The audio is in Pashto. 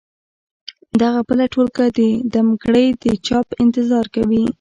دغه بله ټولګه دمګړۍ د چاپ انتظار کوي.